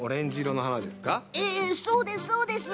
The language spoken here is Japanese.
そうです、そうです。